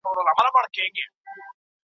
وم ستا د مخ په ننداره ، زه دروېش نه خبرېدم